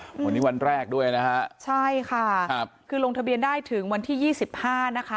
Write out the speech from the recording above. วันนี้วันแรกด้วยนะคะค่ะคือลงทะเบียนได้ถึงวันที่๒๕นะคะ